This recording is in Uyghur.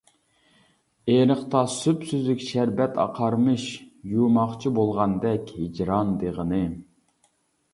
ئېرىقتا سۈپسۈزۈك شەربەت ئاقارمىش، يۇماقچى بولغاندەك ھىجران دېغىنى.